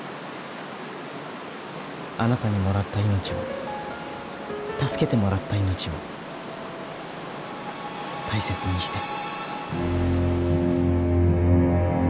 あなたにもらった命を助けてもらった命を大切にして。